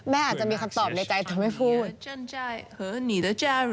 แม่อาจจะมีคำตอบในใจเธอไม่พูด